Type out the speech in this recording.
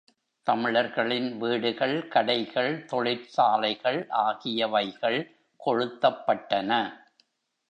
தமிழர்களின் வீடுகள், கடைகள், தொழிற்சாலைகள் ஆகியவைகள் கொளுத்தப்பட்டன.